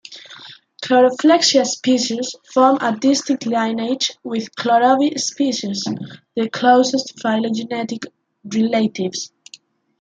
"Chloroflexia" species form a distinct lineage with "Chlorobi" species, their closest phylogenetic relatives.